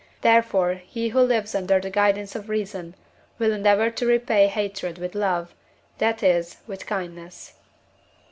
therefore he who lives under the guidance of reason will endeavour to repay hatred with love, that is, with kindness.